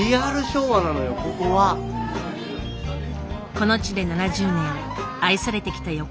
この地で７０年愛されてきた横丁。